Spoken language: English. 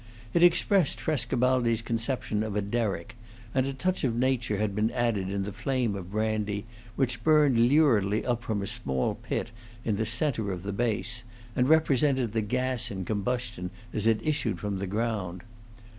It expressed Frescobaldi's conception of a derrick, and a touch of nature had been added in the flame of brandy, which burned luridly up from a small pit in the centre of the base, and represented the gas in combustion as it issued from the ground.